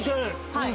はい。